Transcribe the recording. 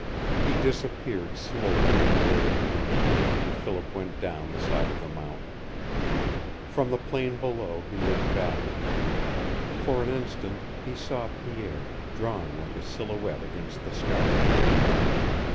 He disappeared slowly in the gray gloom, and Philip went down the side of the mountain. From the plain below he looked back. For an instant he saw Pierre drawn like a silhouette against the sky.